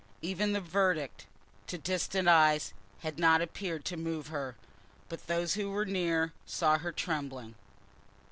Even the verdict, to distant eyes, had not appeared to move her, but those who were near saw her trembling.